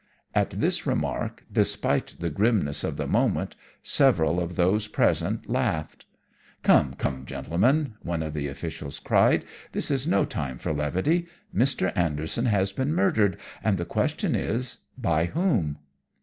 "At this remark, despite the grimness of the moment, several of those present laughed. "'Come, come, gentlemen!' one of the officials cried, 'this is no time for levity. Mr. Anderson has been murdered, and the question is by whom?'